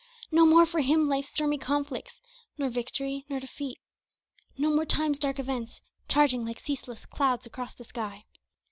No more for him life's stormy conflicts, Nor victory, nor defeat no more time's dark events, Charging like ceaseless clouds across the sky.